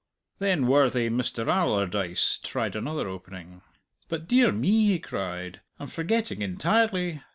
Then worthy Mister Allardyce tried another opening. "But, dear me!" he cried, "I'm forgetting entirely.